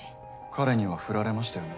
彼には振られましたよね？